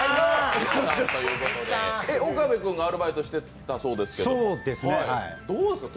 岡部君がアルバイトしてたそうですけど、どうですか？